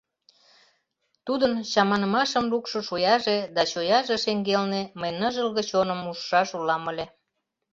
Тудын чаманымашым лукшо шояже да чояже шеҥгелне мый ныжылге чоным ужшаш улам ыле.